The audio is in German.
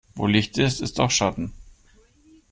Wo Licht ist, ist auch Schatten.